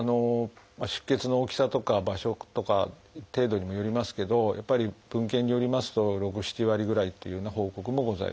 出血の大きさとか場所とか程度にもよりますけどやっぱり文献によりますと６７割ぐらいというような報告もございます。